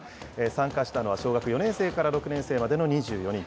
参加したのは小学４年生から６年生までの２４人。